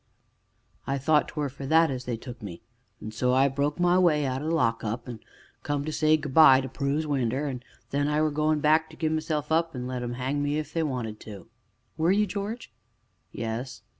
I thought 'twere for that as they took me, an' so I broke my way out o' the lock up, to come an' say 'good by' to Prue's winder, an' then I were goin' back to give myself up an' let 'em hang me if they wanted to." "Were you, George?" "Yes."